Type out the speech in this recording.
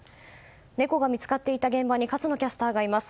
猫が見つかっていた現場に勝野キャスターがいます。